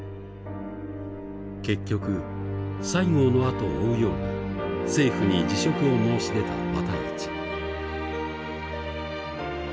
結局西郷の後を追うように政府に辞職を申し出た復一。